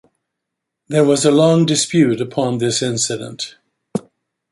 There was a long dispute upon this incident.